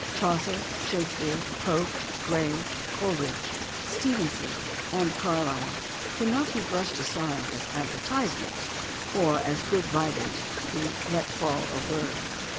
Chaucer, Shakespeare, Pope, Gray, Cole ridge, Stevenson, and Carlyle cannot be brushed aside as "advertisements" or as good writers who "let fall a word."